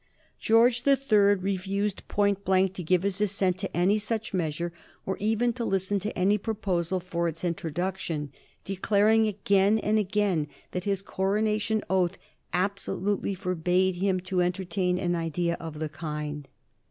George the Third refused point blank to give his assent to any such measure, or even to listen to any proposal for its introduction, declaring again and again that his coronation oath absolutely forbade him to entertain an idea of the kind.